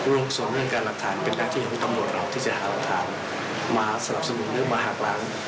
รวมส่วนเรื่องการหลักฐานเป็นหน้าที่ของตำรวจเราที่จะหาหลักฐานมาสนับสนุนหรือมาหักหลัง